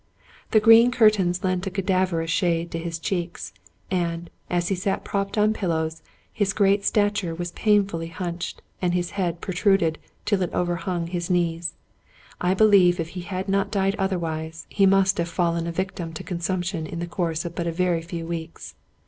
The green cur tains lent a cadaverous shade to his cheek; and, as he sat propped on pillows, his great stature wis painfully hunched, and his head protruded till it overhung his knees. I believe if he had not died otherwise, he must have fallen a victim to consumption in the course of but a very few weeks.